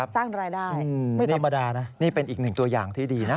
สร้างรายได้ไม่ธรรมดานะนี่เป็นอีกหนึ่งตัวอย่างที่ดีนะ